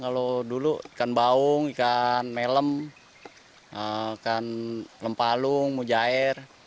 kalau dulu ikan baung ikan melem ikan lempalung mujair